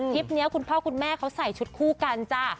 คลิปนี้คุณพ่อคุณแม่เขาใส่ชุดคู่กันจ้ะ